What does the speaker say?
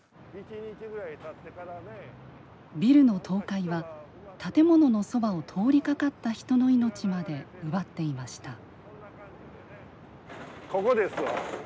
ビルの倒壊は建物のそばを通りかかった人の命まで奪っていました。